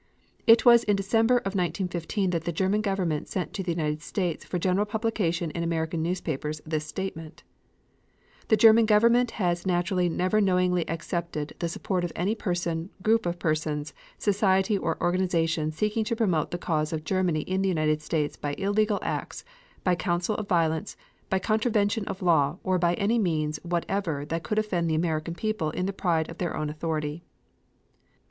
It was in December of 1915 that the German Government sent to the United States for general publication in American newspapers this statement: The German Government has naturally never knowingly accepted the support of any person, group of persons, society or organization seeking to promote the cause of Germany in the United States by illegal acts, by counsel of violence, by contravention of law, or by any means whatever that could offend the American people in the pride of their own authority.